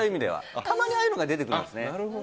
たまに、ああいうのが出てくるんですね。